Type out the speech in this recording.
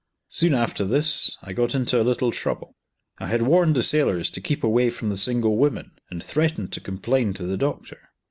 Soon after this I got into a little trouble. I had warned the sailors to keep away from the single women, and threatened to complain to the doctor.